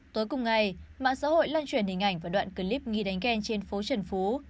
tối cùng ngày mạng xã hội lan truyền hình ảnh và đoạn clip nghi đánh trên phố trần phú